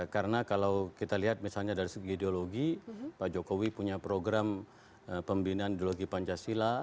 karena kalau kita lihat misalnya dari segi ideologi pak jokowi punya program pembinaan ideologi pancasila